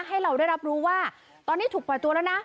ให้เราได้รับรู้ว่าตอนนี้ถูกปล่อยตัวแล้วนะ